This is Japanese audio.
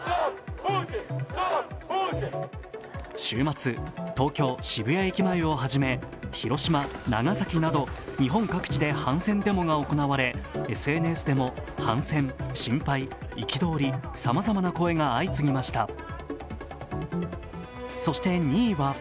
週末、東京・渋谷駅前をはじめ広島、長崎など日本各地で反戦デモが行われ、ＳＮＳでも反戦、心配、憤りさまざまな声が相次ぎました。